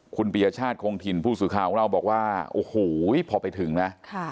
คุณปิชชาติพูดสื่อข้าวของเราบอกว่าอโหพอไปถึงนะ